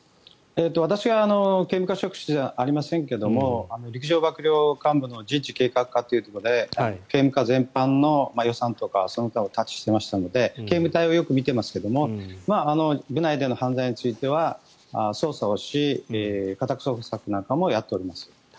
私は警務課所属ではありませんけども陸上幕僚監部の人事計画課というところで警務課全般の予算とかをタッチしていましたので警務隊をよく見ていますが部内での犯罪については捜査をし、家宅捜索なんかもやっております。